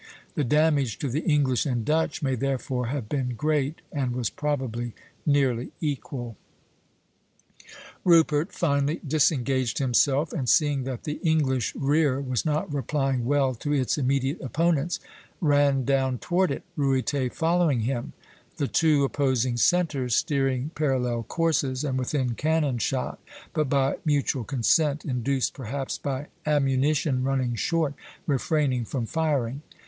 The damage to the English and Dutch may therefore have been great, and was probably nearly equal. Rupert finally disengaged himself, and seeing that the English rear (C'') was not replying well to its immediate opponents, ran down toward it, Ruyter following him; the two opposing centres steering parallel courses, and within cannon shot, but by mutual consent, induced perhaps by ammunition running short, refraining from firing.